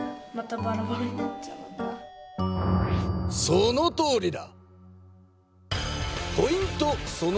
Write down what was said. そのとおりだ。